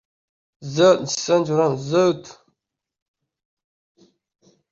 Muzika — tafakkurning qudratli manbai.